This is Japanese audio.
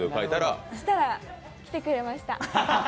そうしたら来てくれました。